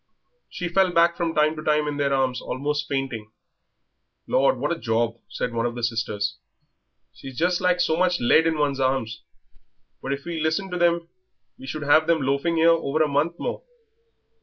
She fell back from time to time in their arms, almost fainting. "Lord, what a job!" said one sister; "she's just like so much lead in one's arms. But if we listened to them we should have them loafing here over a month more."